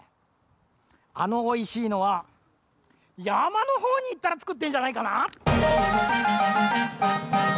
あのおいしいのはやまのほうにいったらつくってんじゃないかな。